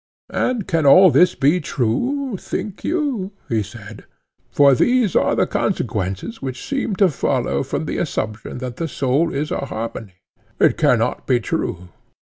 And can all this be true, think you? he said; for these are the consequences which seem to follow from the assumption that the soul is a harmony? It cannot be true.